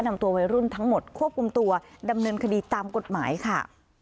นำตัววัยรุ่นทั้งหมดควบคุมตัวดำเนินคดีตามกฎหมายค่ะ